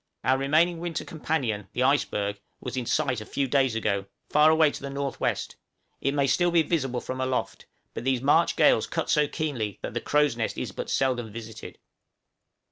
Our remaining winter companion, the iceberg, was in sight a few days ago, far away to the N.W.; it may be still visible from aloft, but these March gales cut so keenly, that the crow's nest is but seldom visited.